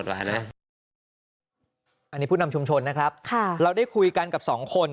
อันนี้ผู้นำชุมชนนะครับเราได้คุยกันกับสองคน